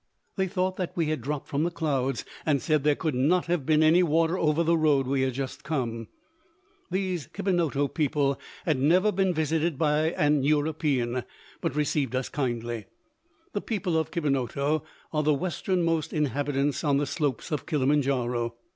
They thought that we had dropped from the clouds, and said there could not have been any water over the road we had just come. These Kibonoto people had never been visited by an European, but received us kindly. The people of Kibonoto are the westernmost inhabitants on the slopes of Kilimanjaro.